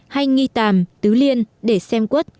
hay nghi tàm tứ liên để xem quất